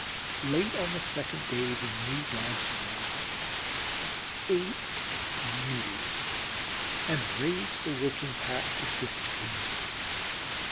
Late on the second day the new Dogs arrived eight beauties and raised the working pack to fifteen.